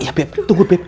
iya beb tunggu beb